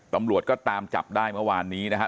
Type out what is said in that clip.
ตำรวจก็ตามจับได้เมื่อวานนี้นะครับ